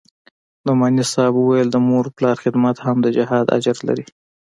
نعماني صاحب وويل د مور و پلار خدمت هم د جهاد اجر لري.